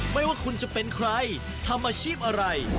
ไม่ว่าคุณจะเป็นใครทำอาชีพอะไร